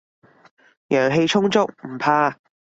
陽氣充足，唔怕